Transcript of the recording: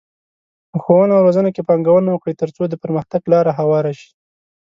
په ښوونه او روزنه کې پانګونه وکړئ، ترڅو د پرمختګ لاره هواره شي.